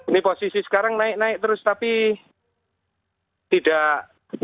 ini posisi sekarang naik naik terus tapi tidak